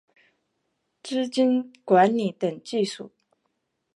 资金管理等技术